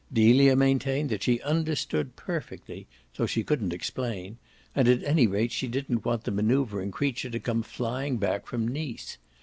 Delia maintained that she understood perfectly, though she couldn't explain and at any rate she didn't want the manoeuvring creature to come flying back from Nice.